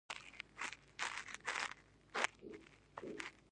د افغانستان د اقتصادي پرمختګ لپاره پکار ده چې موټر سم وچلوو.